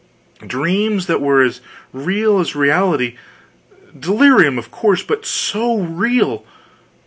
Dreams that were as real as reality delirium, of course, but so real!